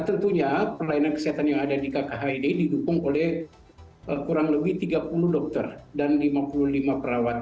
tentunya pelayanan kesehatan yang ada di kkhid didukung oleh kurang lebih tiga puluh dokter dan lima puluh lima perawat